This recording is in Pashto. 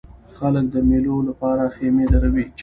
خلک د مېلو له پاره خیمې دروي.